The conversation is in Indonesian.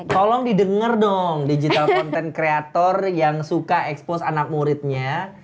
tolong didengar dong digital content creator yang suka expose anak muridnya